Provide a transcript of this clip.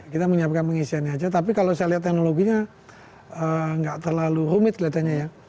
kita menyiapkan pengisiannya aja tapi kalau saya lihat teknologinya nggak terlalu rumit kelihatannya ya